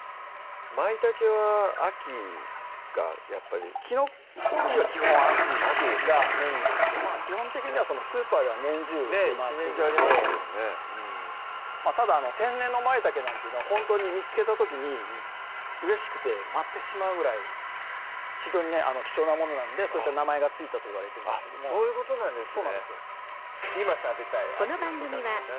まいたけは秋がやっぱりきのこ類は基本秋がメインなんですがまぁ基本的にはスーパーでは年中出回っているのでただ天然のまいたけなんてのはほんとに見つけた時にうれしくて舞ってしまうぐらい非常にね貴重なものなのでそういった名前が付いたとあっそういうことなんですね